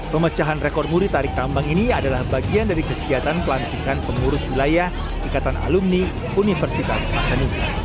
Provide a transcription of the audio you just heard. pemecahan rekor muri tarik tambang ini adalah bagian dari kegiatan pelantikan pengurus wilayah ikatan alumni universitas hasanuddin